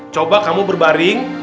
coba kamu berbaring